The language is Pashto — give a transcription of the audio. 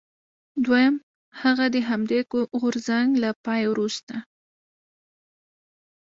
دویم هغه د همدې غورځنګ له پای وروسته.